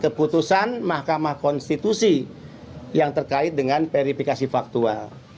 keputusan mahkamah konstitusi yang terkait dengan verifikasi faktual